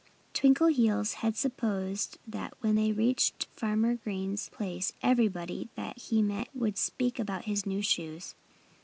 Twinkleheels had supposed that when they reached Farmer Green's place everybody that he met would speak about his new shoes.